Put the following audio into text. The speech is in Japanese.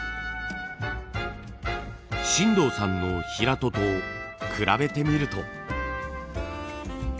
進藤さんのヒラトと比べてみると。